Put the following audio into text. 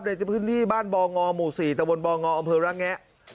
ในพื้นที่บ้านบงหมู่๔ตะวนบงอรังแงะ